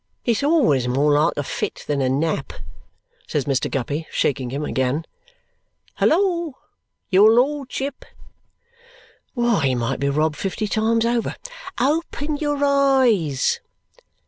"It's always more like a fit than a nap," says Mr. Guppy, shaking him again. "Halloa, your lordship! Why, he might be robbed fifty times over! Open your eyes!"